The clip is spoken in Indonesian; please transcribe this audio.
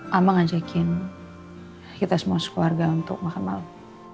mama ngajakin kita semua sekeluarga untuk makan malam